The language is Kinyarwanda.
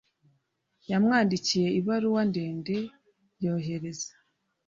Yamwandikiye ibaruwa ndende, yohereza.